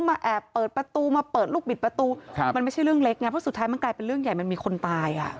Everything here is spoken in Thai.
มาแอบเปิดประตูมาเปิดลูกบิดประตูมันไม่ใช่เรื่องเล็กไงเพราะสุดท้ายมันกลายเป็นเรื่องใหญ่มันมีคนตายอ่ะ